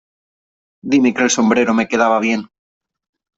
Dime que el sombrero me quedaba bien .